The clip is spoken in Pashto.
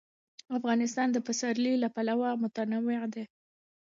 افغانستان د پسرلی له پلوه متنوع دی.